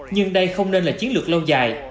nhưng đây không nên là chiến lược lâu dài